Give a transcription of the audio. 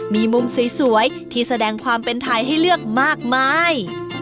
มีมุมสวยที่แสดงความเป็นไทยให้เลือกมากมาย